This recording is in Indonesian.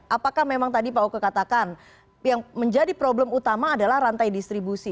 apakah memang tadi pak oke katakan yang menjadi problem utama adalah rantai distribusi